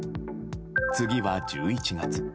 次は１１月。